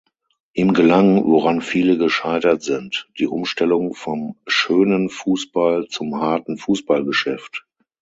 Ihm gelang, woran viele gescheitert sind: die Umstellung vom "schönen" Fußball zum harten Fußballgeschäft.